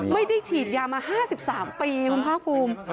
ไม่ได้ฉีดยามา๕๓ปีคุณภาคภูมิ